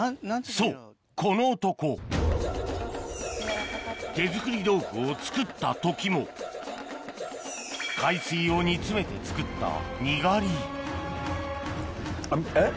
そうこの男手作り豆腐を作った時も海水を煮詰めて作ったえっ？